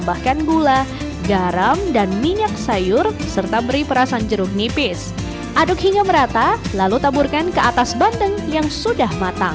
bandeng dabu dabu ini ya